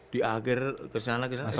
di akhir kesana kesana